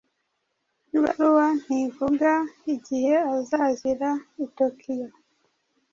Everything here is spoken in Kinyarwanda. Ibaruwa ntivuga igihe azazira i Tokiyo.